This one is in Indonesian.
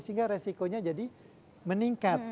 sehingga resikonya jadi meningkat